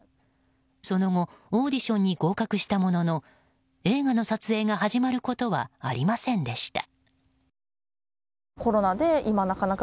その後、オーディションに合格したものの映画の撮影が始まることはありませんでした。